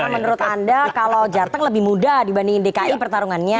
karena menurut anda kalau jarteng lebih mudah dibandingin dki pertarungannya